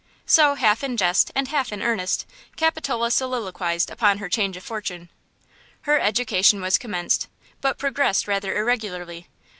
So, half in jest and half in earnest, Capitola soliloquized upon her change of fortune. Her education was commenced, but progressed rather irregularly.